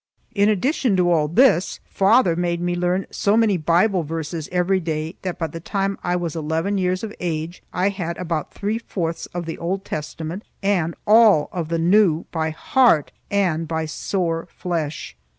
In addition to all this, father made me learn so many Bible verses every day that by the time I was eleven years of age I had about three fourths of the Old Testament and all of the New by heart and by sore flesh.